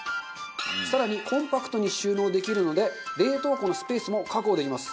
更にコンパクトに収納できるので冷凍庫のスペースも確保できます。